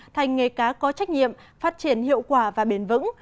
thành nghề cá có trách nhiệm phát triển hiệu quả và bền vững